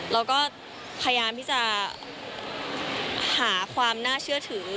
เราก็พยายามที่จะหาความน่าเชื่อถือ